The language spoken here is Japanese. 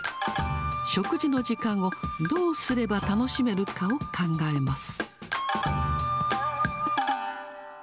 食事の時間をどうすれば楽しめるかを考えます。